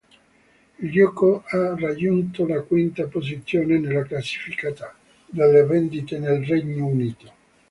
Il gioco ha raggiunto la quinta posizione nella classifica delle vendite nel Regno Unito.